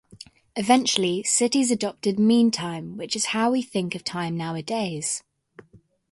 Eventually, cities adopted "Mean Time", which is how we think of time nowadays.